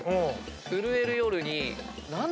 震える夜に何だ？